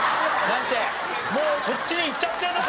もうそっちにいっちゃってるのか？